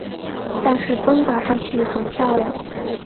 但是灯打上去很漂亮